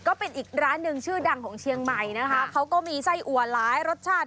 ก็เป็นอีกร้านหนึ่งชื่อดังของเชียงใหม่นะคะเขาก็มีไส้อัวหลายรสชาติ